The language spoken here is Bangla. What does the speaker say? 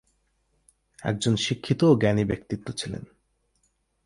একজন শিক্ষিত ও জ্ঞানী ব্যক্তিত্ব ছিলেন।